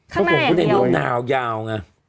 ข้างหน้าอย่างเดียว